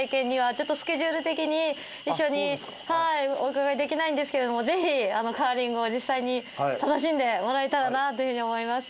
ちょっとスケジュール的に一緒にお伺いできないんですけれどもぜひカーリングを実際に楽しんでもらえたらなという風に思います。